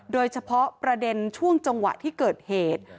โดยเฉพาะประเด็นช่วงจังหวะที่เกิดเหตุ